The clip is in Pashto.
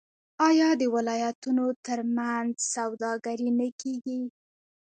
آیا د ولایتونو ترمنځ سوداګري نه کیږي؟